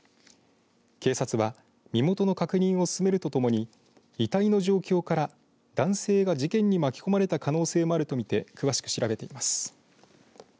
警察は身元の確認を進めるとともに遺体の状況から、男性が事件に巻き込まれた可能性もあると見て詳しく調べています。